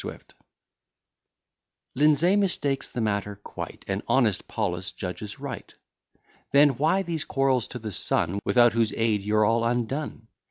SWIFT Lindsay mistakes the matter quite, And honest Paulus judges right. Then, why these quarrels to the sun, Without whose aid you're all undone?